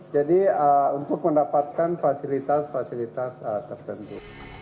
jadi untuk mendapatkan fasilitas fasilitas tertentu